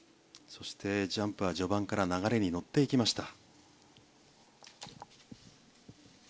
そして、ジャンプは序盤から流れに乗っていきました。